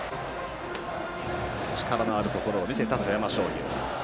力のあるところを見せた富山商業。